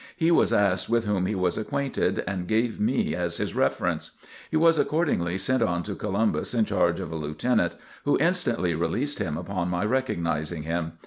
He was asked with whom he was acquainted and gave me as his reference. He was accordingly sent on to Columbus in charge of a Lieutenant, who instantly released him upon my recognizing him.